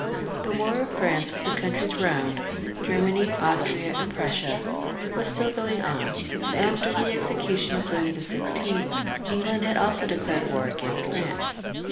The war of Prance with the countries round — Germany, Austria, and Prussia — was still going on, and after the execution of Louis XVI., Eng land had also declared war agamst Prance.